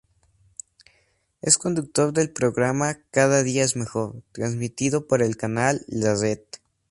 Es conductor del programa "Cada día mejor", transmitido por el canal La Red.